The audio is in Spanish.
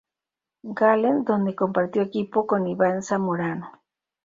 Gallen donde compartió equipo con Iván Zamorano.